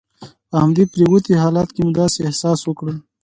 په همدې پروتې په حالت کې مې داسې احساس وکړل.